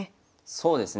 そうですね。